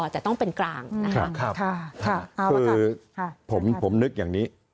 จะต้องเป็นกลางครับครับค่ะค่ะค่ะค่ะคือผมผมนึกอย่างนี้